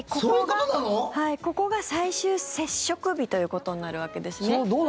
ここが最終接触日ということになるわけですね。